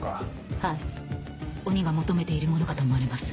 はい鬼が求めているものかと思われます。